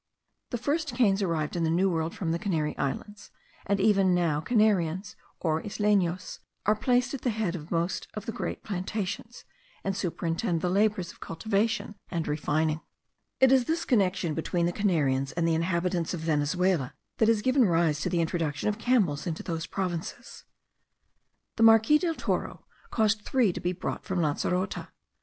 The first canes arrived in the New World from the Canary Islands; and even now Canarians, or Islenos, are placed at the head of most of the great plantations, and superintend the labours of cultivation and refining. It is this connexion between the Canarians and the inhabitants of Venezuela, that has given rise to the introduction of camels into those provinces. The Marquis del Toro caused three to be brought from Lancerote.